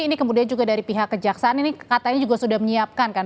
ini kemudian juga dari pihak kejaksaan ini katanya juga sudah menyiapkan kan